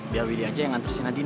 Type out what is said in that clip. biar wili aja yang nganterin adin